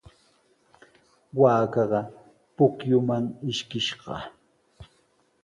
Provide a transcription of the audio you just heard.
Waakaqa pukyuman ishkishqa.